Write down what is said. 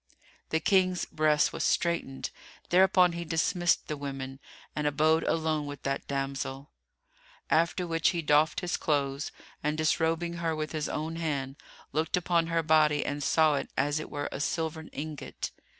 The King's breast was straitened; thereupon he dismissed the women and abode alone with that damsel: after which he doffed his clothes and disrobing her with his own hand, looked upon her body and saw it as it were a silvern ingot.